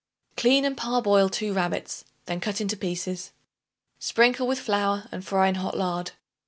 Clean and parboil 2 rabbits; then cut into pieces. Sprinkle with flour and fry in hot lard.